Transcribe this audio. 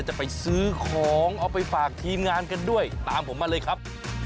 จะไปซื้อของเอาไปฝากทีมงานกันด้วยตามผมมาเลยครับ